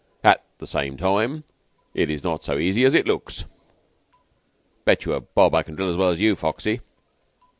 At the same time, it is not so easy as it looks." "Bet you a bob, I can drill as well as you, Foxy."